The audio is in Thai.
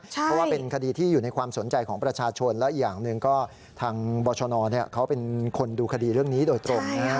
เพราะว่าเป็นคดีที่อยู่ในความสนใจของประชาชนและอีกอย่างหนึ่งก็ทางบรชนเขาเป็นคนดูคดีเรื่องนี้โดยตรง